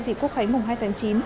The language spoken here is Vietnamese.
dịp quốc kháy mùng hai tháng chín